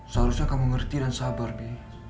seharusnya kamu ngerti dan sabar deh